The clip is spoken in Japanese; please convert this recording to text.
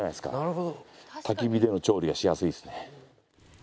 焚き火での調理がしやすいですね。